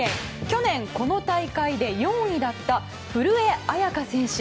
去年、この大会で４位だった古江彩佳選手。